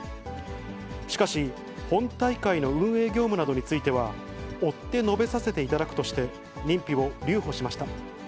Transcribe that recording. しかし、本大会の運営業務などについては、追って述べさせていただくとして、認否を留保しました。